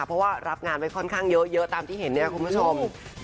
เพราะว่ารับงานไว้ค่อนข้างเยอะตามที่เห็นเนี่ยคุณผู้ชม